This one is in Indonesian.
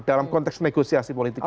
dalam konteks negosiasi politik